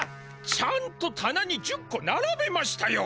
ちゃんとたなに１０こならべましたよ。